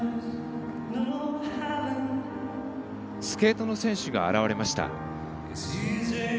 スケートの選手が現れました。